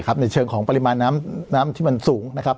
ในเชิงของปริมาณน้ำที่มันสูงนะครับ